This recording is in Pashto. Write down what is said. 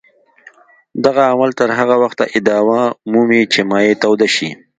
دغه عمل تر هغه وخته ادامه مومي چې مایع توده شي.